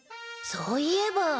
そういえば。